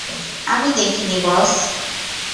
আমি দেখিনি, বস!